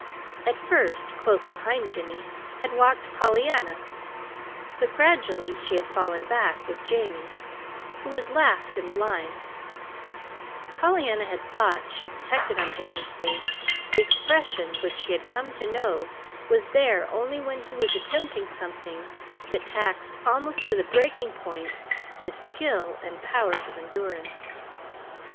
At first, close behind Jimmy had walked Pollyanna; but gradually she had fallen back with Jamie, who was last in the line: Pollyanna had thought she detected on Jamie's face the expression which she had come to know was there only when he was attempting something that taxed almost to the breaking point his skill and powers of endurance.